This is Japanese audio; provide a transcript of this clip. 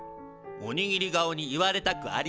おにぎり顔に言われたくありません。